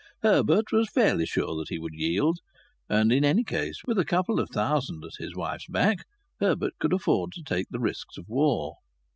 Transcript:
Herbert was fairly sure that he would yield, and in any case, with a couple of thousand at his wife's back, Herbert could afford to take the risks of war.